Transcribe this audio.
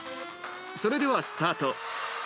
それではスタート。